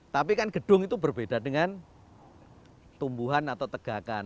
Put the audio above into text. tapi kan gedung itu berbeda dengan tumbuhan atau tegakan